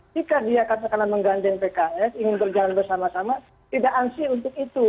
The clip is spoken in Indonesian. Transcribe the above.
jika dia akan menggandeng pks ingin bergantung sama sama tidak ansi untuk itu